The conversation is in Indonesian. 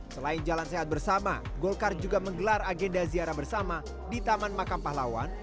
selain jalan sehat bersama golkar juga menggelar agenda ziarah bersama di taman makam pahlawan